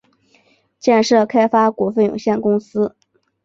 建设开发股份有限公司